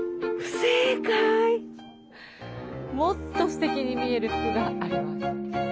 もっとすてきに見える服があります。